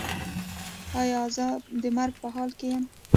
ایا زه د مرګ په حال کې یم؟